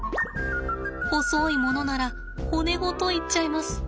細いものなら骨ごといっちゃいます。